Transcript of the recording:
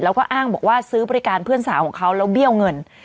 แล้วก็อ้างบอกว่าซื้อบริการเพื่อนสาวของเขาแล้วเบี้ยวเงิน